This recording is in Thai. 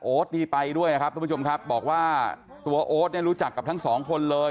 นี่ไปด้วยนะครับทุกผู้ชมครับบอกว่าตัวโอ๊ตเนี่ยรู้จักกับทั้งสองคนเลย